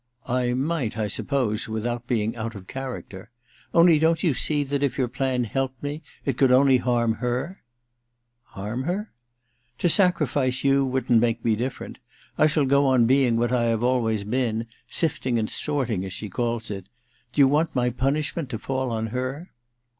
* I might, I suppose, without being out of character. Only, don't a8o THE DILETTANTE you see that if your plan helped me it could only harm her ?* *HarmA^?' * To sacrifice you wouldn't make me different. I shall go on being what I have always been —> sifting and sorting, as she calls it. Do you want my punishment to fall on her